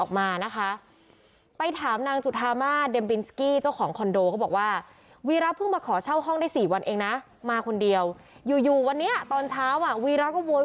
เข้ามาไม่ได้เข้ามาในห้องปิดทุกอย่างแล้วเขาก็ทางผ้องในห้องอีกตอนเนี้ยของเสียหายเยอะมากเลย